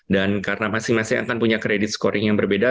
dan karena masing masing akan punya kredit scoring yang berbeda